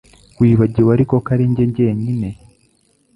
Wibagiwe ariko ko ari njye jyenyine